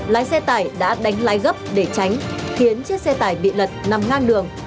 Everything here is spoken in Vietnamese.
lái xe tải đã đánh lái gấp để tránh khiến chiếc xe tải bị lật nằm ngang đường